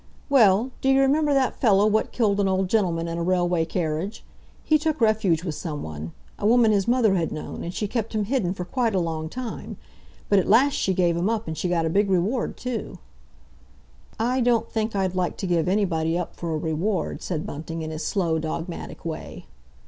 "Well, d'you remember that fellow what killed an old gentleman in a railway carriage? He took refuge with someone—a woman his mother had known, and she kept him hidden for quite a long time. But at last she gave him up, and she got a big reward, too!" "I don't think I'd like to give anybody up for a reward," said Bunting, in his slow, dogmatic way.